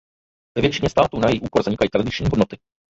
Ve většině států na její úkor zanikají tradiční hodnoty.